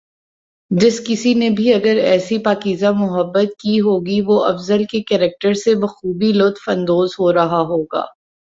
جس کسی نے بھی اگر ایسی پاکیزہ محبت کی ہوگی وہ افضل کے کریکٹر سے بخوبی لطف اندوز ہو رہا ہوگا